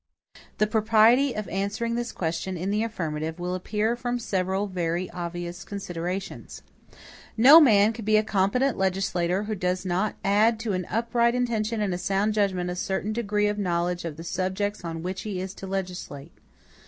The propriety of answering this question in the affirmative will appear from several very obvious considerations. No man can be a competent legislator who does not add to an upright intention and a sound judgment a certain degree of knowledge of the subjects on which he is to legislate.